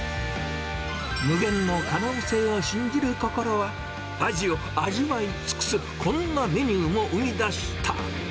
無限の可能性を信じる心は味を味わいつくすこんなメニューも生み出した。